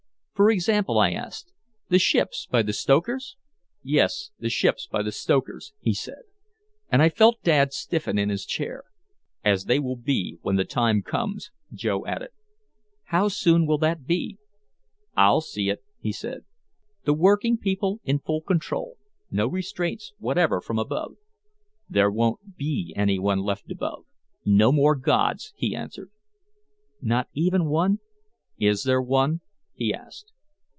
"For example?" I asked. "The ships by the stokers?" "Yes, the ships by the stokers," he said. And I felt Dad stiffen in his chair. "As they will be when the time comes," Joe added. "How soon will that be?" "I'll see it," he said. "The working people in full control. No restraints whatever from above." "There won't be anyone left above. No more gods," he answered. "Not even one?" "Is there one?" he asked.